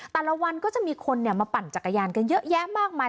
แต่ละวันก็จะมีคนมาปั่นจักรยานกันเยอะแยะมากมาย